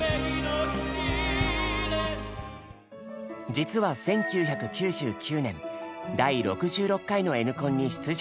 実は１９９９年第６６回の「Ｎコン」に出場した経験が。